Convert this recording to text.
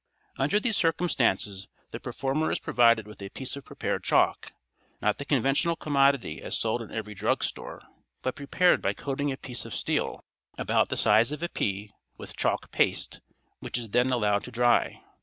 Under these circumstances the performer is provided with a piece of prepared chalk—not the conventional commodity as sold in every drug store, but prepared by coating a piece of steel, about the size of a pea, with chalk paste, which is then allowed to dry.